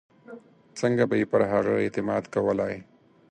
څنګه به یې پر هغه اعتماد کولای.